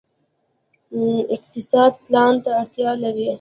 اقتصاد پلان ته اړتیا لري